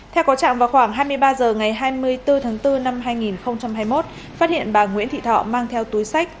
theo có trạng vào khoảng hai mươi ba h ngày hai mươi bốn tháng bốn năm hai nghìn hai mươi một phát hiện bà nguyễn thị thọ mang theo túi sách